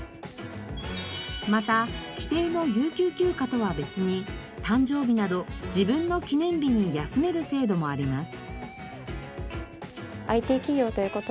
また既定の有給休暇とは別に誕生日など自分の記念日に休める制度もあります。